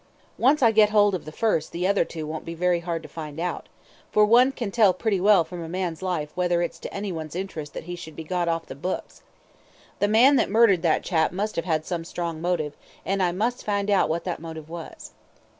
"Once I get hold of the first the other two won't be very hard to find out, for one can tell pretty well from a man's life whether it's to anyone's interest that he should be got off the books. The man that murdered that chap must have had some strong motive, and I must find out what that motive was.